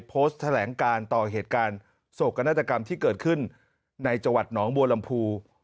โพสต์แถลงการต่อเหตุการณ์โศกนาฏกรรมที่เกิดขึ้นในจังหวัดหนองบัวลำพู